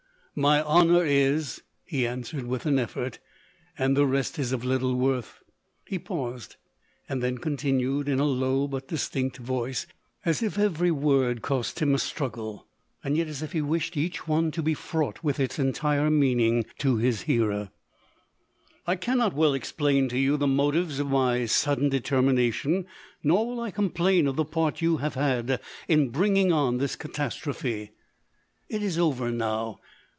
11 My honour is, 11 he answered, with an effort. " and the rest is of little worth." He paused, and then continued in a low but distinct voice, as if every word cost him a strug gle, yet as if he wished each one to be fraught with its entire meaning to his hearer ;" I can not well explain to you the motives of my sudden determination, nor will I complain of the part you have had in bringing on this catas 150 LODORE. trophe. It is over now.